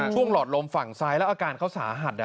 หลอดลมฝั่งซ้ายแล้วอาการเขาสาหัส